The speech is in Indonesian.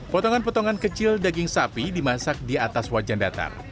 potongan potongan kecil daging sapi dimasak di atas wajan datar